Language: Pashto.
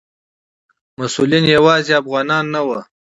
مسؤلین یوازې افغانان نه وو.